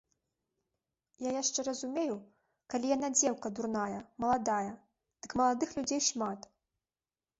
Я яшчэ разумею, калі яна дзеўка дурная, маладая, дык маладых людзей шмат.